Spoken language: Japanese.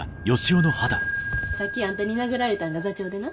さっきあんたに殴られたんが座長でな。